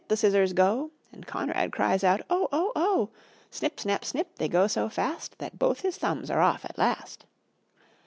the scissors go; And Conrad cries out "Oh! Oh! Oh!" Snip! Snap! Snip! They go so fast, That both his thumbs are off at last.